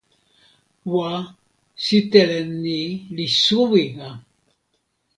wa! sitelen ni li suwi a!